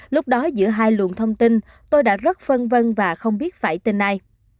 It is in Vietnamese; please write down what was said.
lúc đó giữa hai luồng thông tin tôi đã rất phân vân và không biết phải tên ai